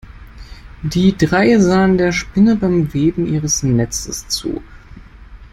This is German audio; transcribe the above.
Die drei sahen der Spinne beim Weben ihres Netzes zu.